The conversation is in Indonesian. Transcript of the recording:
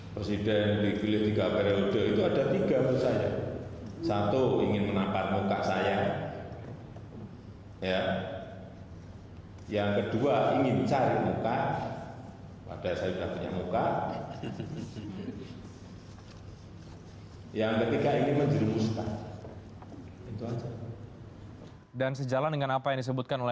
presiden joko widodo menanggapi rencana amandemen uud seribu sembilan ratus empat puluh lima